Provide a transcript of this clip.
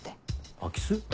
空き巣？